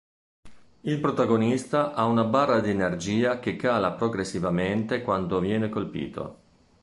Il protagonista ha una barra di energia che cala progressivamente quando viene colpito.